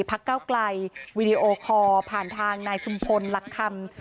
เก้าไกลวีดีโอคอร์ผ่านทางนายชุมพลหลักคำ